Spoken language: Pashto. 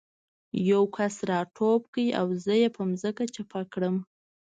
یو کس را ټوپ کړ او زه یې په ځمکه چپه کړم